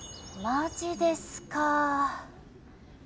マジですか。